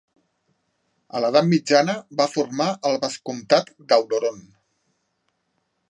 A l'edat mitjana va formar el Vescomtat d'Auloron.